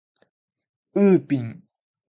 ウーピン